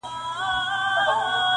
چي اولسونو لره زوال دی -